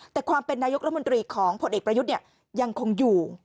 แต่ความเป็นนายกรัฐมนตรีของผลเอกประยุทธ์ยังคงอยู่